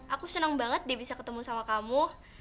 aku senang banget dia bisa ketemu sama kamu